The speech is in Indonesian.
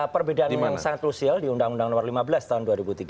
perbedaan yang sangat krusial di undang undang nomor lima belas tahun dua ribu tiga belas